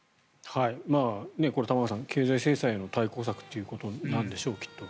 これ、玉川さん経済制裁への対抗策ということなんでしょう。